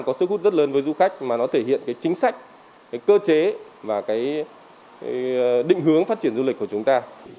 có sức hút rất lớn với du khách mà nó thể hiện chính sách cơ chế và định hướng phát triển du lịch của chúng ta